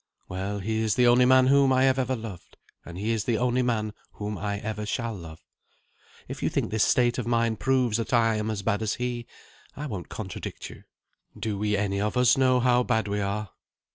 Well, he is the only man whom I have ever loved; and he is the only man whom I ever shall love. If you think this state of mind proves that I am as bad as he is, I won't contradict you. Do we any of us know how bad we are